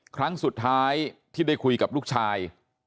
ครั้งสุดท้ายที่ได้คุยกับลูกชาย